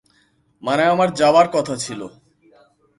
মানে আমার যাবার কথা ছিল।